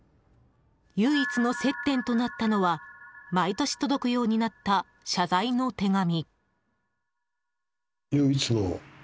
唯一の接点となったのは毎年届くようになった謝罪の手紙。